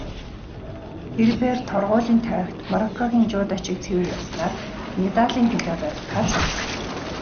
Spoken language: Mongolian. Тэр бээр торгуулийн тойрогт Мороккогийн жүдочийг цэвэр ялснаар медалийн төлөө барилдахаар болов.